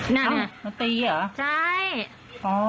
นั่นมาตีเหรอ